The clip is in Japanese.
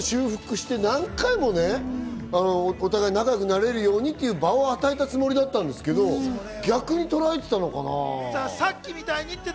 何回も修復して、お互い仲良くなれるようにっていう場を与えたつもりだったんですけど、逆にとらえてたのかな？